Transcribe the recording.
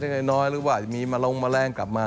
เดี๋ยวไม่รู้ว่ามีใหม่มาลงมาแลกกลับมา